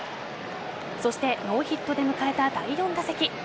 そしてノーヒットで迎えた第４打席。